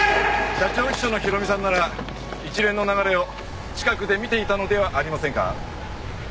社長秘書の宏美さんなら一連の流れを近くで見ていたのではありませんか？